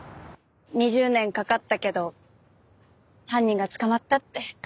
２０年かかったけど犯人が捕まったって。